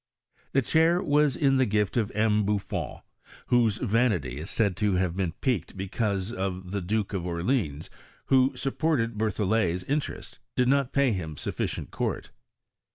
The chair was in the gift of M, Buffon, whose vanity is said to ha\e been piqued because the Duke of Orleans, who supported Berthollet's in terest, did not pay hira sufficient court.